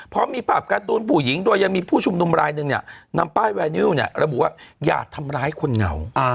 เพราะมีภาพการ์ตูนผู้หญิงโดยยังมีผู้ชุมนุมรายหนึ่งเนี่ยนำป้ายไวนิวเนี่ยระบุว่าอย่าทำร้ายคนเหงา